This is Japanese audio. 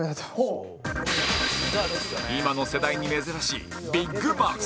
今の世代に珍しいビッグマウス